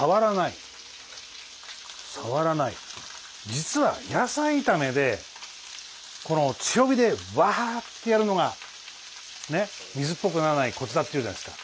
実は野菜炒めで強火でわってやるのが水っぽくならないコツだって言うじゃないですか。